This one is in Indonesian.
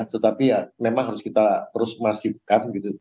tetapi memang harus kita terus memasukkan gitu